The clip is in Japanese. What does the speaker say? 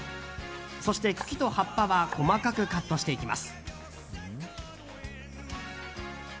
そして、茎と葉っぱは細かくカットしていきます。